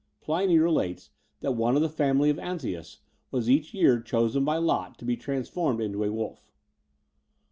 Pliny relates that one of the family of Antaeus was each year chosen by lot to be transformed into a wolf.